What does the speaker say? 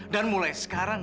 dan mulai sekarang